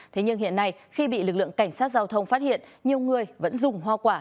thế nhưng hiện nay khi bị lực lượng cảnh sát giao thông phát hiện nhiều người vẫn dùng hoa quả